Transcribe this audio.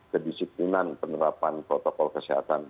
kedisiplinan penerapan protokol kesehatan